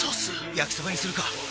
焼きそばにするか！